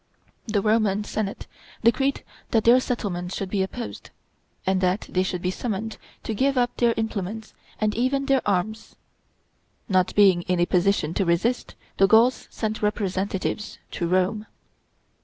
The Roman Senate decreed that their settlement should be opposed, and that they should be summoned to give up their implements and even their arms. Not being in a position to resist, the Gauls sent representatives to Rome.